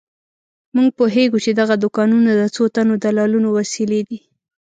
موږ پوهېږو چې دغه دوکانونه د څو تنو دلالانو وسیلې دي.